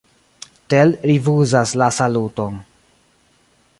Tell rifuzas la saluton.